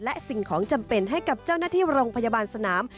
และสิ่งของจำเป็นให้กับเจ้าหน้าที่โรงพยาบาลสนาม